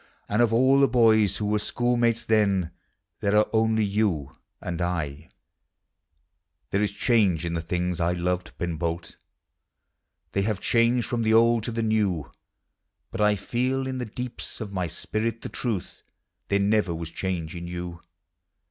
And of all the boys who were schoolmates then There are only you and I. POEMS OF HOME There is change in the things I loved, Ben Bolt, They have changed from the old to the new; But I feel in the deeps of my spirit the truth, There never was change in you.